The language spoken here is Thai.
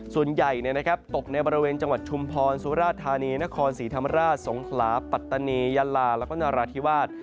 ส่วนใหญ่ตกในบริเวณจังหวัดชุมพรสุราธานีนครศรีธรรมราชสงขลาปัตตานียะลาแล้วก็นราธิวาส